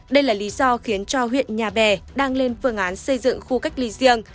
đây là lý do khiến cho huyện nhà bè đang lên phương án xây dựng khu cách ly riêng